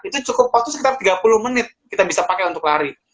itu cukup waktu sekitar tiga puluh menit kita bisa pakai untuk lari